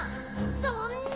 そんな。